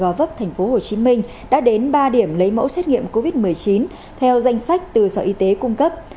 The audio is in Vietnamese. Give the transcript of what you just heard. gò vấp tp hcm đã đến ba điểm lấy mẫu xét nghiệm covid một mươi chín theo danh sách từ sở y tế cung cấp